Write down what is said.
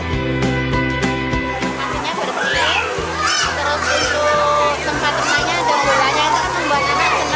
hiburan yang berkulit terus untuk tempat renangnya ada bolanya